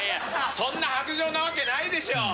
そんな薄情なわけないでしょ！